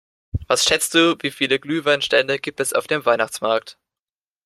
Was schätzt du, wie viele Glühweinstände gibt es auf dem Weihnachtsmarkt?